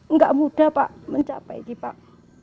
nggak mudah pak mencapai di pak